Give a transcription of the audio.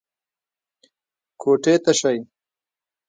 کوټې ته شئ.